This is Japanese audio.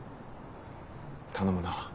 頼むな。